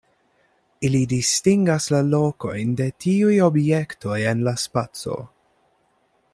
Ili distingas la lokojn de tiuj objektoj en la spaco.